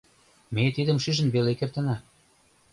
Ме тидым шижын веле кертына: